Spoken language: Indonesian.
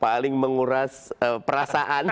paling menguras perasaan